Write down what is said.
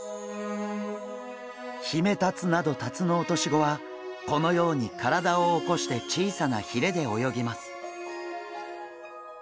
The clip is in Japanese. ヒメタツなどタツノオトシゴはこのように体を起こして小さなひれで泳ぎます。